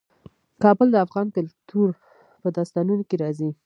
کابل د افغان کلتور په داستانونو کې راځي.